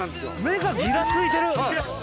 目がギラついてる。